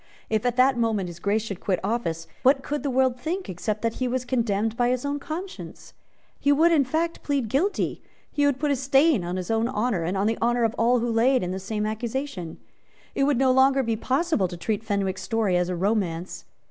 If at that moment His Grace should quit office, what could the world think, except that he was condemned by his own conscience? He would, in fact, plead guilty; he would put a stain on his own honour, and on the honour of all who lay under the same accusation. It would no longer be possible to treat Fenwick's story as a romance.